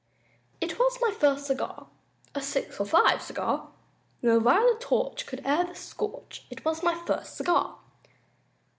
It was my first cigar! A six for five cigar! No viler torch the air could scorch It was my first cigar!